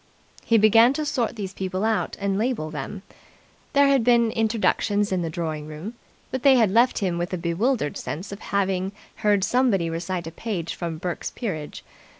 He began to sort these people out and label them. There had been introductions in the drawing room, but they had left him with a bewildered sense of having heard somebody recite a page from Burke's peerage.